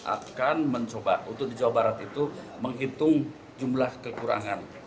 akan mencoba untuk di jawa barat itu menghitung jumlah kekurangan